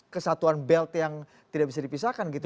kesatuan belt yang tidak bisa dipisahkan gitu